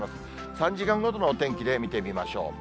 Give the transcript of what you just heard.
３時間ごとのお天気で見てみましょう。